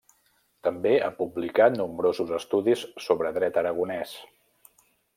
També ha publicat nombrosos estudis sobre dret aragonès.